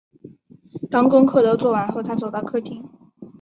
当功课都做完后，她走到客厅